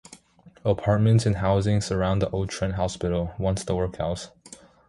Apartments and housing surround the old Trent Hospital, once the workhouse.